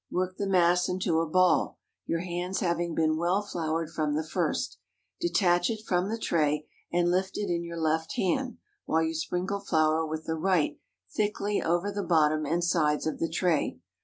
Work the mass into a ball—your hands having been well floured from the first; detach it from the tray, and lift it in your left hand, while you sprinkle flour with the right thickly over the bottom and sides of the tray.